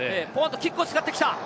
キックを使ってきた。